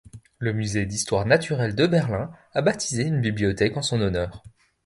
Le musée d'histoire naturelle de Berlin a baptisé une bibliothèque en son honneur.